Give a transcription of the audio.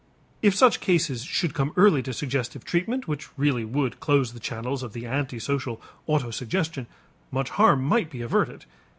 If such cases should come early to suggestive treatment which really would close the channels of the antisocial autosuggestion, much harm might be averted.